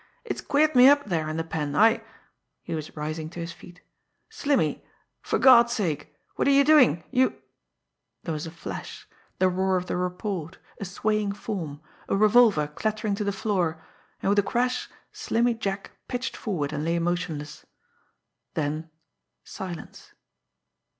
"It's queered me up there in the pen. I" he was rising to his feet "Slimmy for God's, sake what are you doing you " There was a flash, the roar of the report, a swaying form, a revolver clattering to the floor and with a crash Slimmy Jack pitched forward and lay motionless. Then silence.